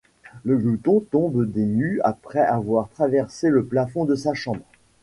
Le glouton tombe des nues après avoir traversé le plafond de sa chambre.